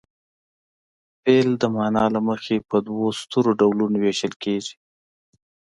فعل د معنا له مخې په دوو سترو ډولونو ویشل کیږي.